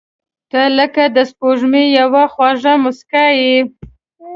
• ته لکه د سپوږمۍ یوه خواږه موسکا یې.